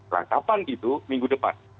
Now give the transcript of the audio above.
lantapan itu minggu depan